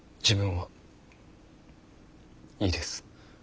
自分はいいです。